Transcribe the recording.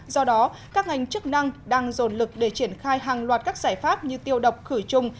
do đó các ngành chức năng đang dồn lực để triển khai hàng loạt các giải pháp như tiêu độc khử trùng